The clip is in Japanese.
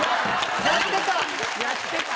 やってた！